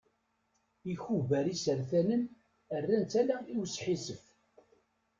Ikubar isertanen rran-tt ala i usḥissef.